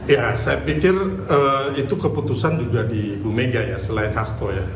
ya saya pikir itu keputusan juga di bumega ya selain hasto ya